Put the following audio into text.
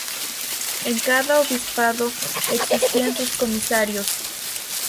En cada Obispado existían sus comisarios.